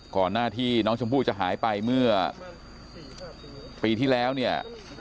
ก่อนหน้าที่น้องชมพู่จะหายไปเมื่อปีที่แล้วเนี่ย